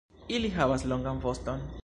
Ili havas longan voston.